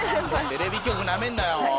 テレビ局なめんなよ！